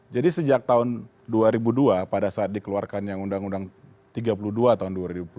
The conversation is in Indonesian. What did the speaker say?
jadi sejak tahun dua ribu dua pada saat dikeluarkan yang undang undang tiga puluh dua tahun dua ribu dua